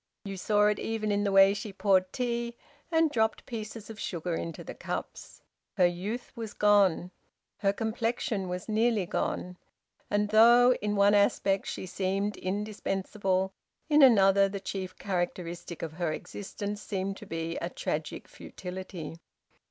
You saw it even in the way she poured tea and dropped pieces of sugar into the cups. Her youth was gone; her complexion was nearly gone. And though in one aspect she seemed indispensable, in another the chief characteristic of her existence seemed to be a tragic futility.